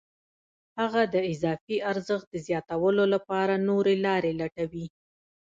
هغه د اضافي ارزښت د زیاتولو لپاره نورې لارې لټوي